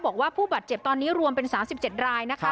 บอกว่าผู้บาดเจ็บตอนนี้รวมเป็น๓๗รายนะคะ